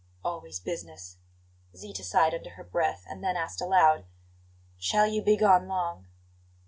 "Always business!" Zita sighed under her breath; and then asked aloud: "Shall you be gone long?"